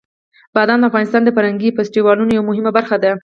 بادام د افغانستان د فرهنګي فستیوالونو یوه مهمه برخه ده.